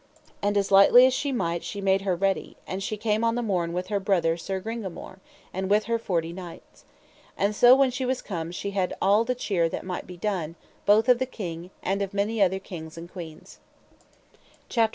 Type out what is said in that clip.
And as lightly as she might she made her ready; and she came on the morn with her brother Sir Gringamore, and with her forty knights. And so when she was come she had all the cheer that might be done, both of the king, and of many other kings and queens. CHAPTER XXXIV.